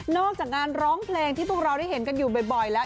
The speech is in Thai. จากงานร้องเพลงที่พวกเราได้เห็นกันอยู่บ่อยแล้ว